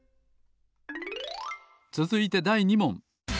つづいてだい２もん。